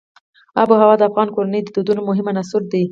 آب وهوا د افغان کورنیو د دودونو مهم عنصر دی.